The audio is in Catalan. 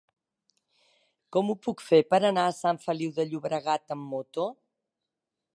Com ho puc fer per anar a Sant Feliu de Llobregat amb moto?